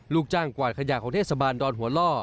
ลูกจ้างกวาดขยะของเทศบาลดอนหัวล่อ